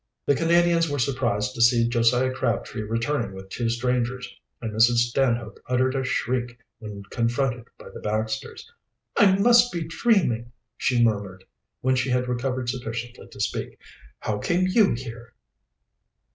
The Canadians were surprised to see Josiah Crabtree returning with two strangers, and Mrs. Stanhope uttered a shriek when confronted by the Baxters. "I must be dreaming," she murmured, when she had recovered sufficiently to speak. "How came you here?"